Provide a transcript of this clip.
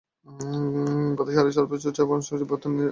গত সাড়ে ছয় মাসের ব্যবধানে এটিই ডিএসইএক্সের সর্বোচ্চ অবস্থান।